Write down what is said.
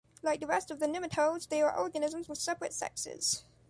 Like the rest of the nematodes, they are organisms with separate sexes.